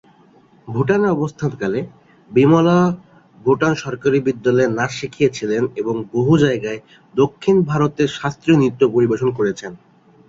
ভুটানে অবস্থানকালে, বিমলা ভুটান সরকারী বিদ্যালয়ে নাচ শিখিয়েছিলেন এবং বহু জায়গায় দক্ষিণ ভারতের শাস্ত্রীয় নৃত্য পরিবেশন করেছেন।